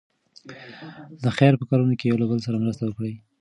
د خیر په کارونو کې یو له بل سره مرسته وکړئ.